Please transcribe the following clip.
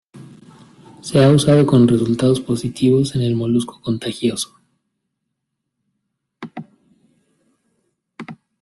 Se ha usado con resultados positivos en el molusco contagioso.